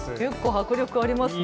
迫力ありますね。